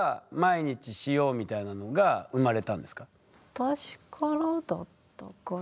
私からだったかな。